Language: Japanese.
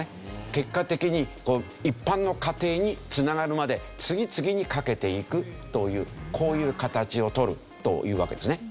結果的に一般の家庭に繋がるまで次々にかけていくというこういう形をとるというわけですね。